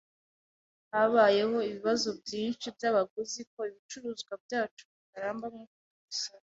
Habayeho ibibazo byinshi byabaguzi ko ibicuruzwa byacu bitaramba nkuko tubisaba.